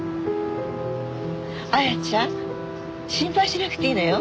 亜矢ちゃん心配しなくていいのよ。